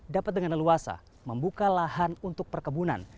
dapat dengan leluasa membuka lahan untuk perkebunan